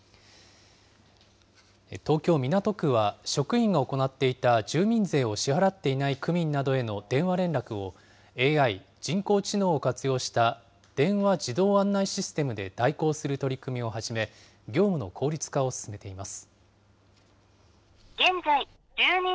東京・港区は職員が行っていた住民税を支払っていない区民などへの電話連絡を、ＡＩ・人工知能を活用した電話自動案内システムで代行する取り組みを始め、業務の効率化を進めています。